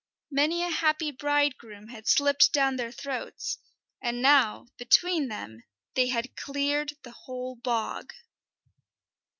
Many a happy bridegroom had slipped down their throats; and now, between them, they had cleared the whole bog.